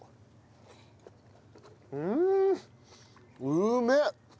うんうめえ！